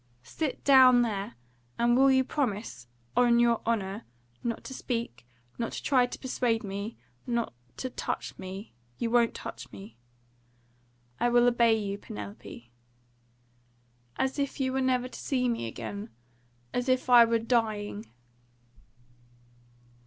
"Sit down there. And will you promise me on your honour not to speak not to try to persuade me not to touch me? You won't touch me?" "I will obey you, Penelope." "As if you were never to see me again? As if I were dying?"